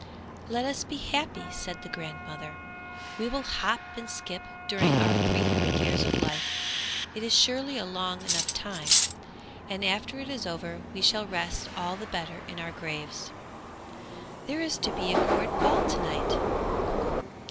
'Let us be happy,' said the grandmother; 'we will hop and skip during our three hundred years of life; it is surely a long enough time; and after it is over we shall rest all the better in our graves. There is to be a court ball to night.'